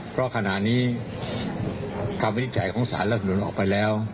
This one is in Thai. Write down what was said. เพราะขณะนี้คำวินิจฉัยของสารรัฐสนุนออกไปแล้ว